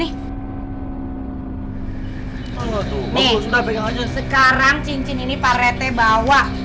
nih sekarang cincin ini parete bawa